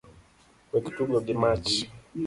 Wek tugo gi mach.